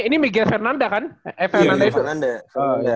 ini miguel fernanda kan eh fernanda itu